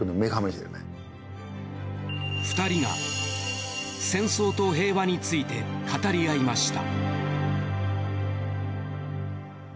２人が戦争と平和について語り合いました。